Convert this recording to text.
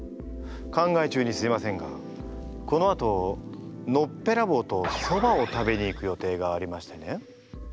考え中にすいませんがこのあとのっぺらぼうとそばを食べに行く予定がありましてね。